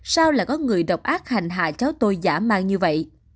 sao lại có người độc ác hành hạ cháu tôi giả mang như vậy